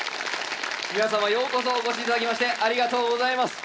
皆様ようこそお越し頂きましてありがとうございます。